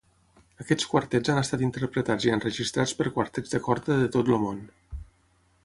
Aquests quartets han estat interpretats i enregistrats per quartets de corda de tot el món.